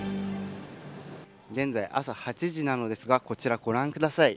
現在、朝８時なんですがこちら、ご覧ください。